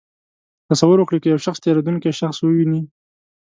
تصور وکړئ که یو شخص تېرېدونکی شخص وویني.